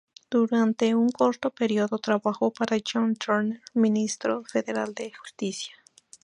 Durante un corto período, trabajó para John Turner, ministro federal de Justicia.